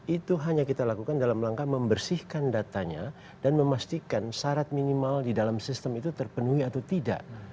itu hanya kita lakukan dalam langkah membersihkan datanya dan memastikan syarat minimal di dalam sistem itu terpenuhi atau tidak